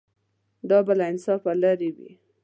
دا به له انصافه لرې وي.